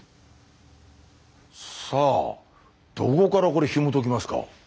さあどこからこれひもときますか？